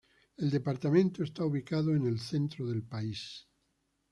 El departamento está ubicado en el centro del país.